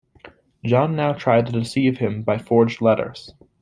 John now tried to deceive him by forged letters.